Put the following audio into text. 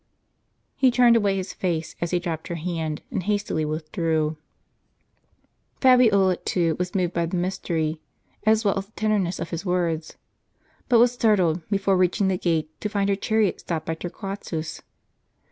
He turned away his face, as he dropped her hand, and hastily withdrew. Fabiola too was moved by the mystery, as well as the tenderness, of his words ; but was startled, before reaching the gate, to find her chariot stopped by Torquatus.